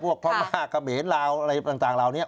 พวกธรรมะเกมียนลาวอะไรต่างลาวนี้